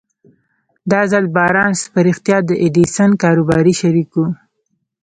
دا ځل بارنس په رښتيا د ايډېسن کاروباري شريک و.